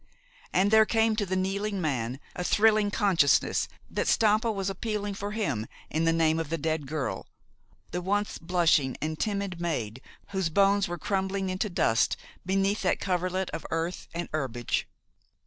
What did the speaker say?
And there came to the kneeling man a thrilling consciousness that Stampa was appealing for him in the name of the dead girl, the once blushing and timid maid whose bones were crumbling into dust beneath that coverlet of earth and herbage.